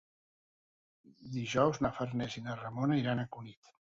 Dijous na Farners i na Ramona iran a Cunit.